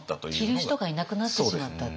着る人がいなくなってしまったっていう。